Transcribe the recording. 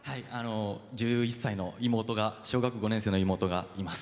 １１歳の妹が小学５年生の妹がおります。